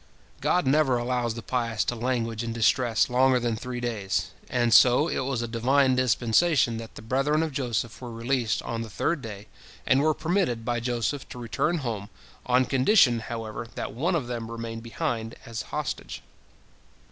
God never allows the pious to languish in distress longer than three days, and so it was a Divine dispensation that the brethren of Joseph were released on the third day, and were permitted by Joseph to return home, on condition, however, that one of them remain behind as hostage.